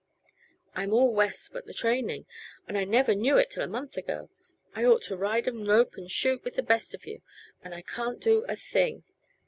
I'm all West but the training and I never knew it till a month ago! I ought to ride and rope and shoot with the best of you, and I can't do a thing.